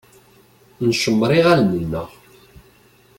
Ncemmeṛ iɣallen-nteɣ.